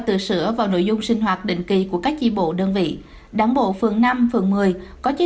tự sửa vào nội dung sinh hoạt định kỳ của các chi bộ đơn vị đảng bộ phường năm phường một mươi có chế